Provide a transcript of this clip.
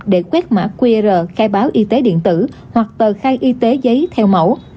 để quét mã qr khai báo y tế điện tử hoặc tờ khai y tế giấy theo mẫu